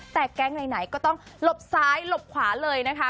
แต่แก๊งไหนก็ต้องหลบซ้ายหลบขวาเลยนะคะ